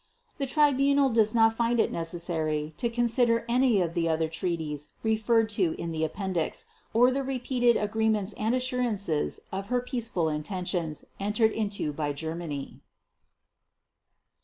The Tribunal does not find it necessary to consider any of the other treaties referred to in the Appendix, or the repeated agreements and assurances of her peaceful intentions entered into by Germany.